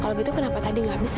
kalau gitu kenapa tadi nggak bisa